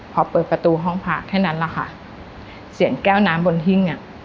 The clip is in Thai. พอเปิดประตูห้องพระแค่นั้นแหละค่ะเสียงแก้วน้ำบนหิ้งเนี่ย